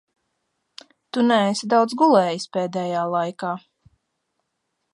Tu neesi daudz gulējis pēdējā laikā.